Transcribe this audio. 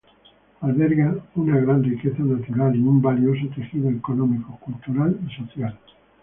Alberga una gran riqueza natural y un valioso tejido económico, cultura y social.